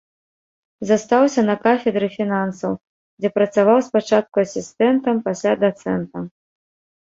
Застаўся на кафедры фінансаў, дзе працаваў спачатку асістэнтам, пасля дацэнтам.